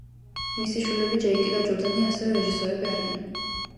მისი შვილები ჯეიკი და ჯორდანი ასევე რეჟისორები არიან.